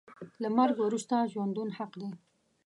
له مرګ وروسته ژوندون حق دی .